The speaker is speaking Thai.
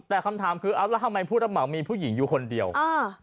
แต่คำถามคือเอาแล้วทำไมผู้รับเหมามีผู้หญิงอยู่คนเดียวอ่า